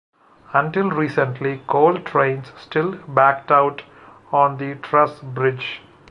Until recently coal trains still backed out on the truss bridge.